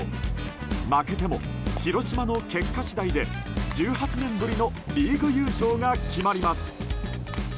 負けても広島の結果次第で１８年ぶりのリーグ優勝が決まります。